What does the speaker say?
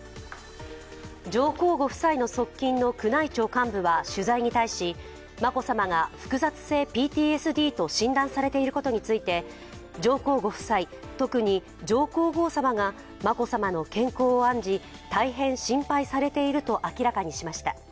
上皇ご夫妻の側近の宮内庁幹部は取材に対し、眞子さまが複雑性ＰＴＳＤと診断されていることについて、上皇ご夫妻、特に上皇后さまが眞子さまの健康を案じ大変心配されていると明らかにしました。